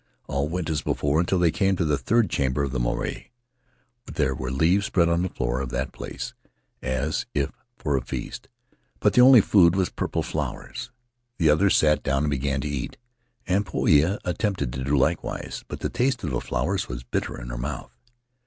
All went as before until they came to the third chamber of the marae; there were leaves spread on the floor of that place as if for a feast, but the only food was purple flowers. The others sat down and began to eat, and Poia at tempted to do likewise, but the taste of the flowers was bitter in her mouth.